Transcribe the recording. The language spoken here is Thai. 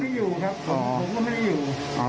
อยู่ครับผมก็ไม่ได้อยู่